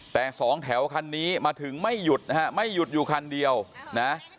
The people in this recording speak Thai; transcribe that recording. แต่สองแถวคันนี้มาถึงไม่หยุดนะฮะไม่หยุดอยู่คันเดียวนะ